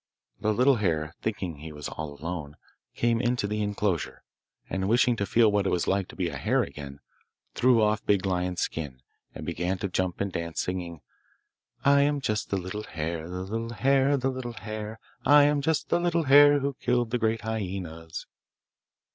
The little hare, thinking he was all alone, came into the enclosure, and, wishing to feel what it was like to be a hare again, threw off Big Lion's skin, and began to jump and dance, singing I am just the little hare, the little hare, the little hare; I am just the little hare who killed the great hyaenas.